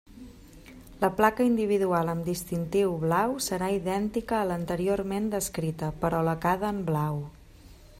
La placa individual amb distintiu blau serà idèntica a l'anteriorment descrita, però lacada en blau.